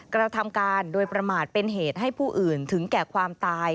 กระทำการโดยประมาทเป็นเหตุให้ผู้อื่นถึงแก่ความตาย